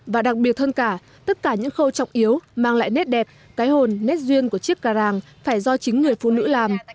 và đặc biệt hơn cả tất cả những khâu trọng yếu mang lại nét đẹp cái hồn nét duyên của chiếc ca ràng phải do chính người phụ nữ làm